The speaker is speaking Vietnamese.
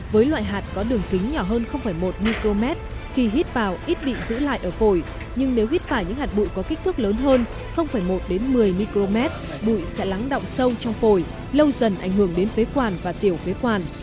với loại hạt có đường kính nhỏ hơn một micromet khi hít vào ít bị giữ lại ở phổi nhưng nếu hít phải những hạt bụi có kích thước lớn hơn một một mươi micromet bụi sẽ lắng động sâu trong phổi lâu dần ảnh hưởng đến phế quản và tiểu phế quản